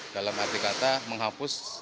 dalam arti kata menghapus